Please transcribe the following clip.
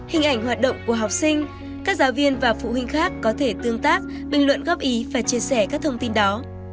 hình ảnh hoạt động của học sinh các giáo viên và phụ huynh khác có thể tương tác bình luận góp ý và chia sẻ các thông tin đó